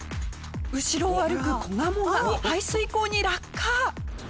後ろを歩く子ガモが排水溝に落下！